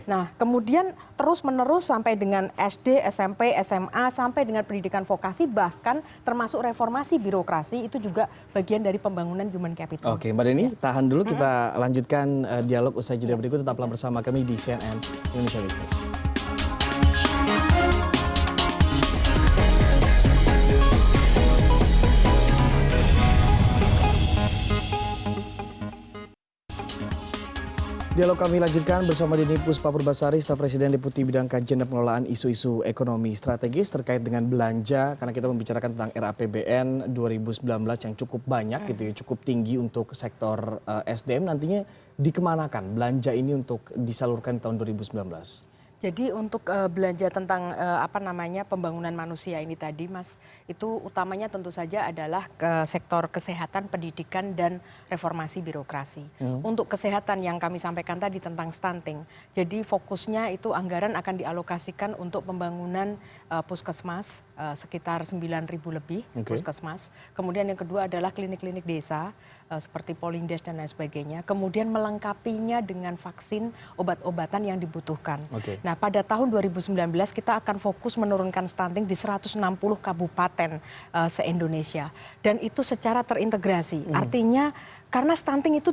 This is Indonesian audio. nah kemudian terus menerus sampai dengan sd smp sma sampai dengan pendidikan vokasi